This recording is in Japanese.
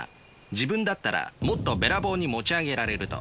自分だったらもっとべらぼうに持ち上げられると。